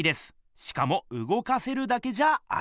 しかもうごかせるだけじゃありません。